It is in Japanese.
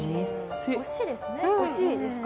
惜しいですか。